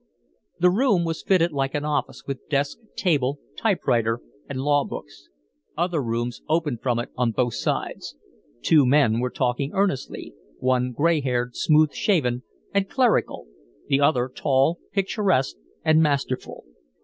The room was fitted like an office, with desk, table, type writer, and law books. Other rooms opened from it on both sides. Two men were talking earnestly one gray haired, smooth shaven, and clerical, the other tall, picturesque, and masterful.